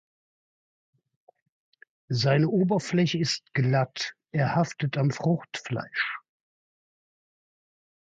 Seine Oberfläche ist glatt, er haftet am Fruchtfleisch.